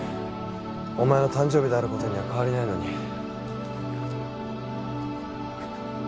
おまえの誕生日であることには変わりないのに。